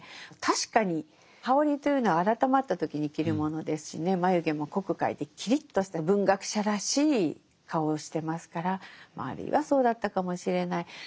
確かに羽織というのは改まった時に着るものですしね眉毛も濃く描いてキリッとした文学者らしい顔をしてますからあるいはそうだったかもしれない。